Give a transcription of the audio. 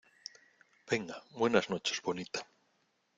venga, buenas noches , bonita.